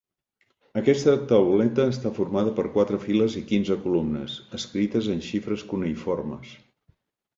Aquesta tauleta està formada per quatre files i quinze columnes, escrites en xifres cuneïformes.